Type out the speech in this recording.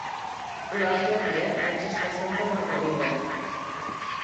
L'altre dia vaig estar a Santa Margalida.